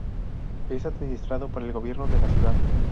Es administrado por el gobierno de la ciudad.